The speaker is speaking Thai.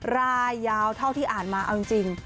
ลายาวเท่าที่อ่านมาจริง